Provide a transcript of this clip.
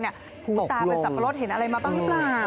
คุณตาเป็นสับปะรดเห็นอะไรมาบ้างหรือเปล่า